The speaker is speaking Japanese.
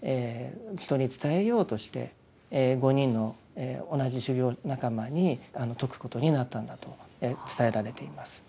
人に伝えようとして５人の同じ修行仲間に説くことになったんだと伝えられています。